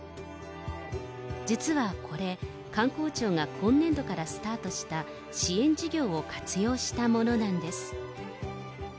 実はこれ、観光庁が今年度からスタートした、支援事業を活用したものなんです。